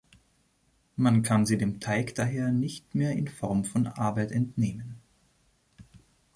Man kann sie dem Teig daher nicht mehr in Form von Arbeit entnehmen.